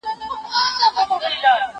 سیسټم ته اپلوډ کړي دي.